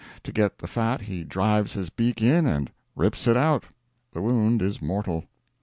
To get the fat he drives his beak in and rips it out; the wound is mortal.